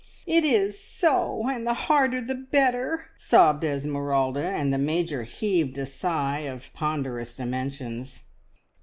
"It is so! And the harder the better!" sobbed Esmeralda; and the Major heaved a sigh of ponderous dimensions.